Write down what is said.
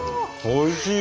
おいしい。